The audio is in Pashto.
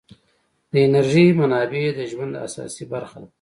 د انرژۍ منابع د ژوند اساسي برخه ده.